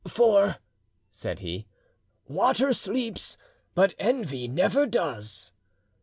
"For," said he, "water sleeps, but envy never does."